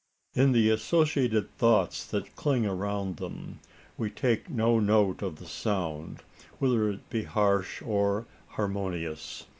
In the associated thoughts that cling around them, we take no note of the sound whether it be harsh or harmonious.